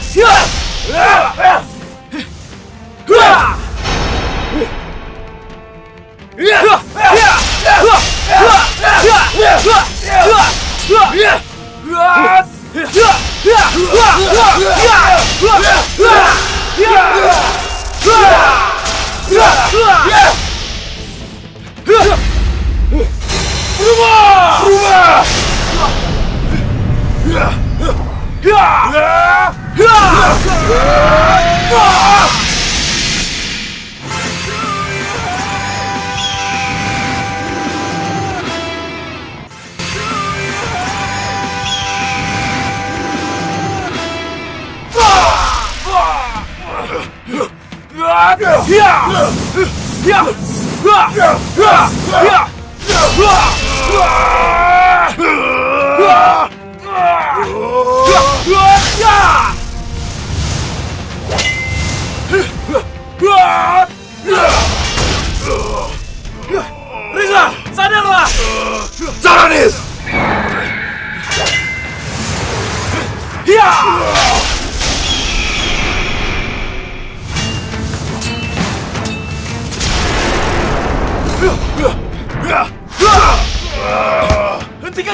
sampai jumpa di video selanjutnya